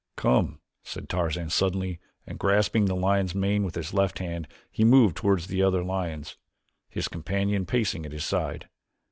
"Come," said Tarzan suddenly and grasping the lion's mane with his left hand he moved toward the other lions, his companion pacing at his side.